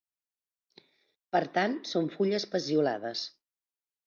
Per tant, són fulles peciolades.